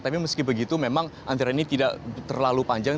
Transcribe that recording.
tapi meski begitu memang antrian ini tidak terlalu panjang